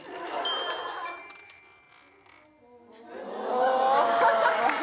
お。